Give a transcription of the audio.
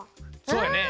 そうやね。